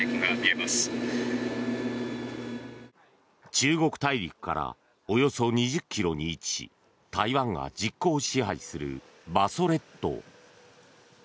中国大陸からおよそ２０ｋｍに位置し台湾が実効支配する馬祖列島。